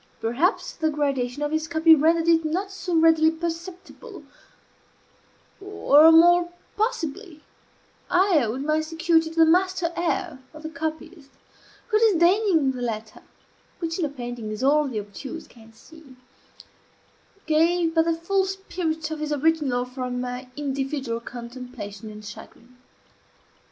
Perhaps the gradation of his copy rendered it not so readily perceptible; or, more possibly, I owed my security to the masterly air of the copyist, who, disdaining the letter (which in a painting is all the obtuse can see) gave but the full spirit of his original for my individual contemplation and chagrin.